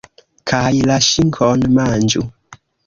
Kaj la ŝinkon manĝu.